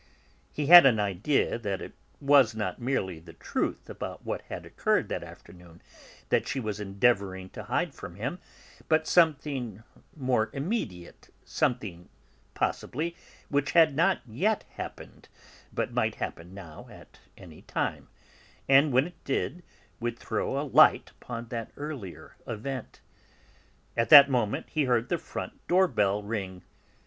He had an idea that it was not merely the truth about what had occurred that afternoon that she was endeavouring to hide from him, but something more immediate, something, possibly, which had not yet happened, but might happen now at any time, and, when it did, would throw a light upon that earlier event. At that moment, he heard the front door bell ring.